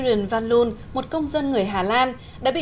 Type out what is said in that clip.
để cho những người việt nam